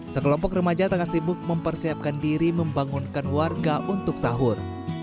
sekelompok remaja tengah sibuk mempersiapkan diri membangunkan warga untuk sahur